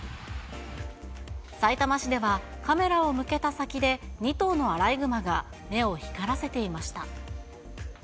さいたま市ではカメラを向けた先で、２頭のアライグマが目を光らせていました。